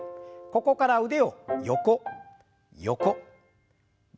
ここから腕を横横前前。